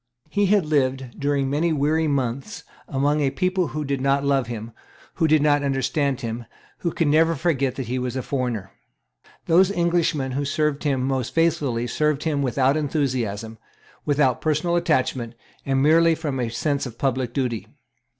He had lived during many weary months among a people who did not love him, who did not understand him, who could never forget that he was a foreigner. Those Englishmen who served him most faithfully served him without enthusiasm, without personal attachment, and merely from a sense of public duty.